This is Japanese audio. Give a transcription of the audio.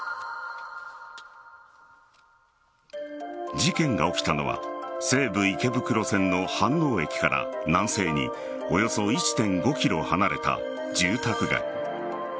事件が起きたのは西武池袋線の飯能駅から南西におよそ１．５ｋｍ離れた住宅街。